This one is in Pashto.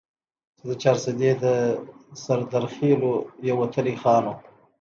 چې د چارسدي د سردرخيلو يو وتلے خان وو ،